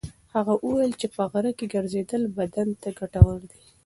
هغه وویل چې په غره کې ګرځېدل بدن ته ګټور دي.